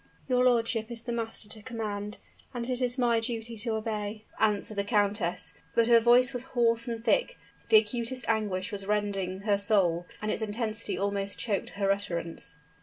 "Your lordship is the master to command, and it is my duty to obey," answered the countess; but her voice was hoarse and thick, the acutest anguish was rending her soul, and its intensity almost choked her utterance.